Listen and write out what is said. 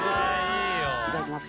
いただきます。